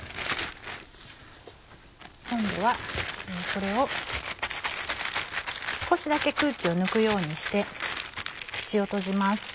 今度はこれを少しだけ空気を抜くようにして口を閉じます。